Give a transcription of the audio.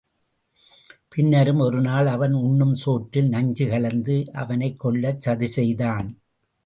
பின்னரும் ஒரு நாள் அவன் உண்ணும் சோற்றில் நஞ்சு கலந்து அவனைக் கொல்லச் சதி செய்தான்.